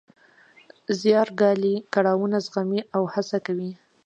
زیار ګالي، کړاوونه زغمي او هڅه کوي.